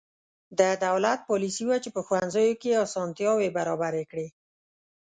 د دولت پالیسي وه چې په ښوونځیو کې اسانتیاوې برابرې کړې.